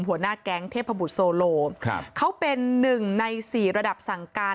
หัวหน้าแก๊งเทพบุตรโซโลเขาเป็นหนึ่งในสี่ระดับสั่งการ